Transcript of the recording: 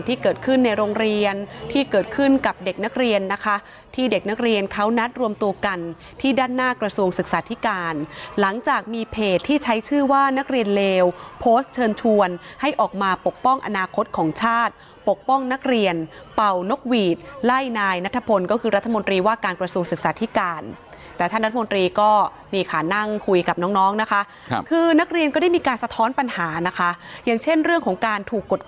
ที่เกิดขึ้นในโรงเรียนที่เกิดขึ้นกับเด็กนักเรียนนะคะที่เด็กนักเรียนเขานัดรวมตัวกันที่ด้านหน้ากระทรวงศึกษาธิการหลังจากมีเพจที่ใช้ชื่อว่านักเรียนเลวโพสต์เชิญชวนให้ออกมาปกป้องอนาคตของชาติปกป้องนักเรียนเป่านกหวีดไล่นายนัทพลก็คือรัฐมนตรีว่าการกระทรวงศึกษาธิการแต่ท่าน